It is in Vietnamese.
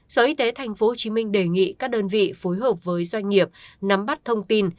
sở y tế tp hcm đề nghị các đơn vị phối hợp với doanh nghiệp nắm bắt thông tin